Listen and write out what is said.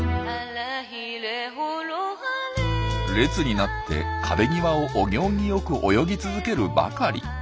列になって壁際をお行儀よく泳ぎ続けるばかり。